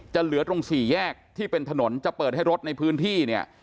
จะเหลือตรง๔แยกที่เป็นถนนจะเปิดให้รถในพื้นที่